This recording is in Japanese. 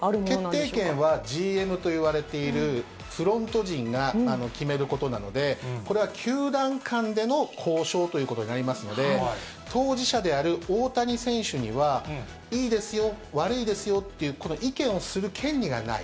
決定権はＧＭといわれているフロント陣が決めることなので、これは球団間での交渉ということになりますので、当事者である大谷選手には、いいですよ、悪いですよっていう、この意見をする権利がない。